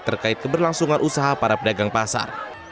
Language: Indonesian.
terkait keberlangsungan usaha para pedagang pasar